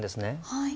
はい。